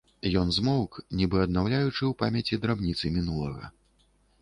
Ён змоўк, нібы аднаўляючы ў памяці драбніцы мінулага.